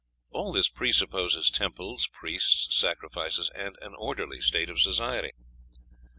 All this presupposes temples, priests, sacrifices, and an orderly state of society.